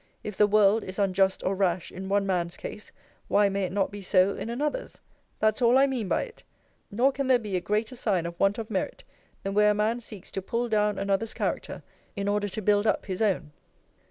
If the world is unjust or rash, in one man's case, why may it not be so in another's? That's all I mean by it. Nor can there by a greater sign of want of merit, than where a man seeks to pull down another's character, in order to build up his own.